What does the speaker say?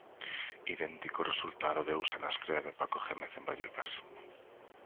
Idéntico resultado deuse na estrea de Paco Jémez en Vallecas.